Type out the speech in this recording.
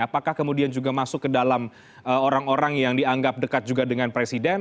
apakah kemudian juga masuk ke dalam orang orang yang dianggap dekat juga dengan presiden